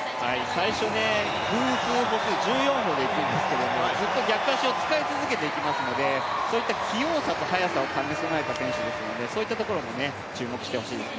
最初、偶数歩数、１４歩でいくんですけど、ずっと逆足を使い続けていくのでそういった器用さと速さを兼ね備えた選手ですので、そういったところも注目してほしいですね。